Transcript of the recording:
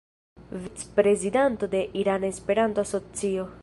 Vicprezidanto de Irana Esperanto-Asocio.